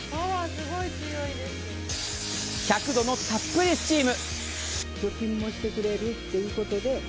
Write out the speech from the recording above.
１００度のたっぷりスチーム。